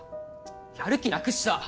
やる気なくした。